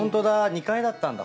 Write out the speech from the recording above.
２階だったんだ。